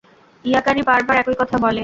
ইয়াকারি বারবার একই কথা বলে।